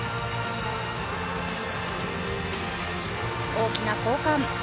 大きな交換。